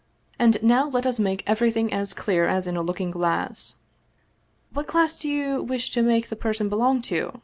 And now let us make everything as clear as in a looking glass. What class do you wish to make the person belong to